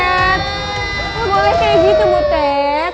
enggak boleh kayak gitu butet